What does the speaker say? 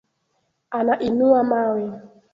Anainua mawe.